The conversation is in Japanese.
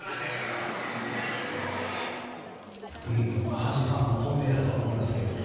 阪神ファンの本音だと思いますけれども。